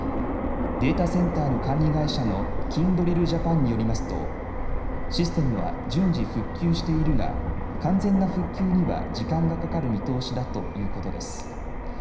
データセンターの管理会社のキンドリルジャパンによりますとシステムは順次復旧しているが完全な復旧には時間がかかる見通しだということです。